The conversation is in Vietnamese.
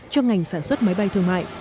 cho ngành sản xuất máy bay thương mại